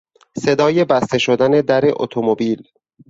صدای بسته شدن در اتومبیل